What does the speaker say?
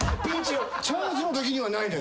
チャンスのときにはないのよ。